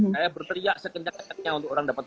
saya berteriak sekencang kencangnya untuk orang dapat